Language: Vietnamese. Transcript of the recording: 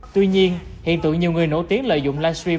tuy nhiên hiện tượng nhiều người nổi tiếng lợi dụng livestream